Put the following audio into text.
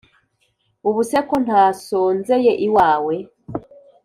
ubuse ko ntasonzeye iwawe